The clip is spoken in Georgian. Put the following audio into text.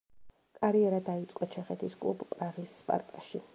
კარიერა დაიწყო ჩეხეთის კლუბ პრაღის „სპარტაში“.